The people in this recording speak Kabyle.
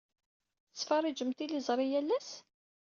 Tettferriǧem tiliẓri yal ass?